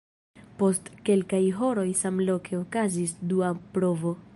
Post kelkaj horoj samloke okazis dua provo.